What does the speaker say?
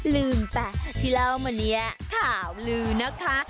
ลืมป่ะที่เล่าเหมือนเนี้ยขาวลืมนะคะ